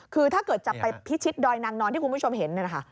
คือถ้าเกิดจะไปพิชิตดอยนางนอนที่คุณผู้ชมเห็น